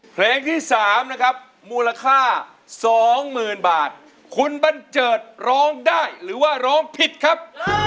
เพลงที่๓นะครับมูลค่า๒๐๐๐บาทคุณบันเจิดร้องได้หรือว่าร้องผิดครับ